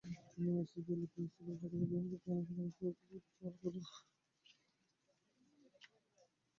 তিনি এসআইবিএলের প্রিন্সিপাল শাখাসহ বিভিন্ন গুরুত্বপূর্ণ শাখায় ব্যবস্থাপক হিসেবে দায়িত্ব পালন করেন।